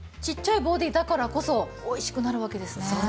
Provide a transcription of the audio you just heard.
ちっちゃいボディーだからこそおいしくなるわけですね。